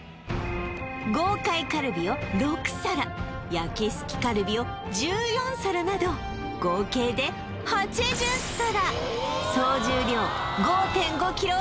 豪快カルビを６皿焼きすきカルビを１４皿など合計で８０皿